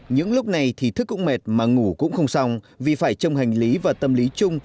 những lúc này thì thức cũng mệt mà ngủ cũng không xong vì phải trông hành lý và tâm lý chung